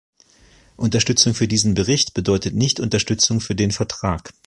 Unterstützung für diesen Bericht bedeutet nicht Unterstützung für den Vertrag.